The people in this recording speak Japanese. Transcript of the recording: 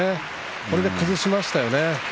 これで崩しました。